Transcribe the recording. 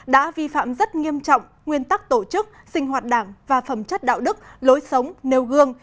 đã vi phạm rất nghiêm trọng nguyên tắc tổ chức sinh hoạt đảng và phẩm chất đạo đức lối sống nêu gương